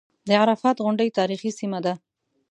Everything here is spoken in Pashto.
د عرفات غونډۍ تاریخي سیمه ده.